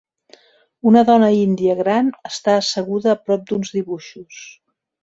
Una dona índia gran està asseguda a prop d'uns dibuixos.